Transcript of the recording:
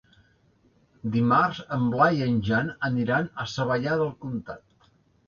Dimarts en Blai i en Jan aniran a Savallà del Comtat.